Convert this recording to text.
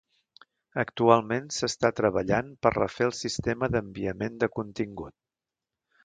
Actualment s'està treballant per refer el sistema d'enviament de contingut.